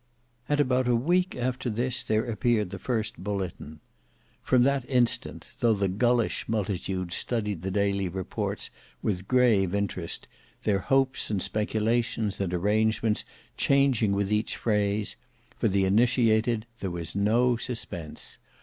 And about a week after this there appeared the first bulletin. From that instant, though the gullish multitude studied the daily reports with grave interest; their hopes and speculations and arrangements changing with each phrase; for the initiated there was no suspense.